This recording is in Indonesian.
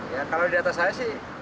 ya kalau di atas saya sih